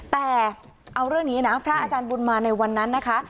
แต่เอาเรื่องนี้นะพระอาจารย์บุญมาในวันนั้นนะคะ